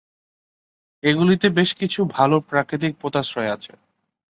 এগুলিতে বেশ কিছু ভাল প্রাকৃতিক পোতাশ্রয় আছে।